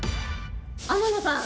天野さん